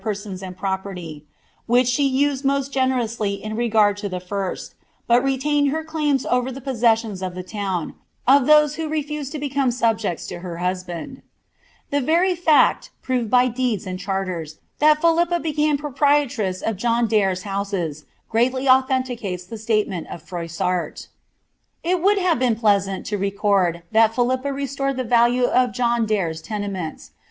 Eipauialion ii am ibe liimiiiliM itf ft * PniLIPPA OP HAINAULT 193 penons and property, which she used nio«t generously in regard to tlie first, but retained her claims over the possessions in the town, of those who refused to become subjects to her husband. The very fact, proved by deeds and charters, that Philippa became proprietress of John Daire's iKmses, greatly authenticates the statement of Froissart. It wonld hsTe been pleasant to record that Philippa restored the value of John Daire's tenements.